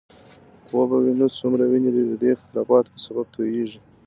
وبه وینو څومره وینې د دې اختلافونو په سبب تویېږي.